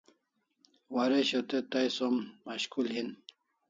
Waresho te tai som mashkul hin